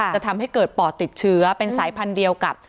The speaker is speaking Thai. จะทำให้เกิดปอดติดเชื้อเป็นสายพันธุ์เดียวกับ